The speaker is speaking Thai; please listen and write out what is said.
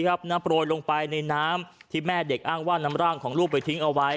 โปรยลงไปในน้ำที่แม่เด็กอ้างว่านำร่างของลูกไปทิ้งเอาไว้